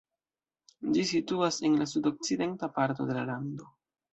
Ĝi situas en la sudokcidenta parto de la lando.